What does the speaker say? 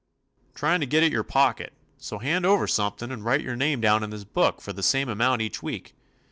"Tryin' to get at your pocket. So hand over something and write your name down in this book for the same amount each week.